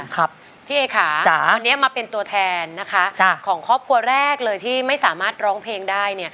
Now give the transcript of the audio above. พี่เอ๋ค่ะจ๋าวันนี้มาเป็นตัวแทนนะคะของครอบครัวแรกเลยที่ไม่สามารถร้องเพลงได้เนี่ย